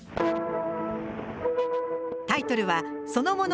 タイトルはそのもの